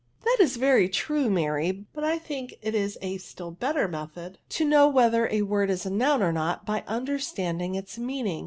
" That is yerjr true, Mary ; but I think it is a still better method to know whether a word is a noun or not, by understanding its meaning.